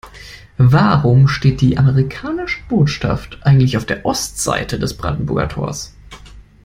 Warum steht die amerikanische Botschaft eigentlich auf der Ostseite des Brandenburger Tors?